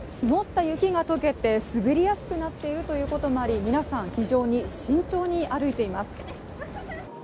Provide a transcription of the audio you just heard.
凍った雪が溶けて滑りやすくなっているということもあり、皆さん非常に慎重に歩いています